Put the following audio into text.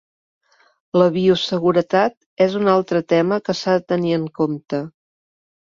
La bioseguretat és un altre tema que s'ha de tenir en compte.